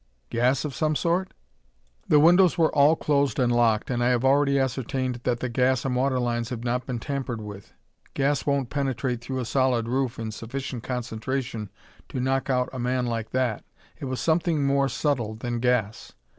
Gas of some sort?" "The windows were all closed and locked and I have already ascertained that the gas and water lines have not been tampered with. Gas won't penetrate through a solid roof in sufficient concentration to knock out a man like that. It was something more subtle than gas."